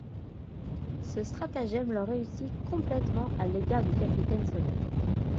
Ce stratagème leur réussit complétement à l'égard du capitaine Soleil.